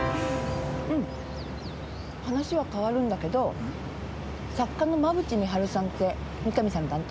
うんっ話は変わるんだけど作家の馬渕美晴さんって三神さんの担当？